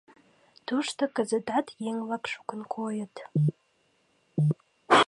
Тушто кызытат еҥ-влак шукын койыт.